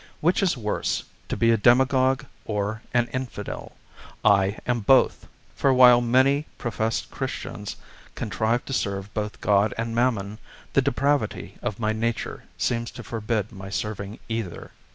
Which is worse, to be a Demagogue or an Infidel? I am both. For while many professed Christians contrive to serve both God and Mammon, the depravity of my nature seems to forbid my serving either.